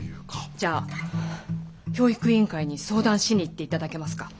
じゃあ教育委員会に相談しに行っていただけますか？